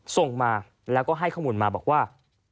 ส่งมาแล้วก็ให้ข้อมูลมาบอกว่า